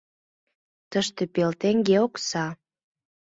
Тыште пел теҥге окса.